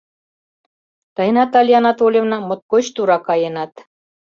Тый, Наталья Анатольевна, моткоч тура каенат.